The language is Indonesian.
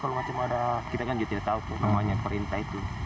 kalau nggak cuma ada kita kan juga tidak tahu tuh namanya perintah itu